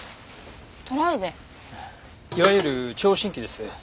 いわゆる聴診器です。